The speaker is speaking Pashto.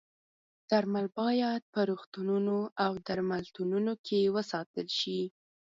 درمل باید په روغتونونو او درملتونونو کې وساتل شي.